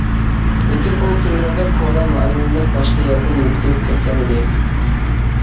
لېكىن، ئۇ كۈنلەردە كونا مۇئەللىمىمىز باشقا يەرگە يۆتكىلىپ كەتكەنىدى.